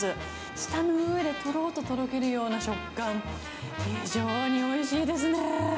舌の上でとろっととろけるような食感、非常においしいですね。